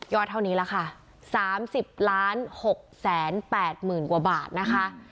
ยอดเท่านี้ละค่ะ๓๐ล้าน๖แสน๘หมื่นกว่าบาทนะคะ